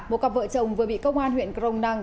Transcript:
một cặp vợ chồng vừa bị công an huyện crong năng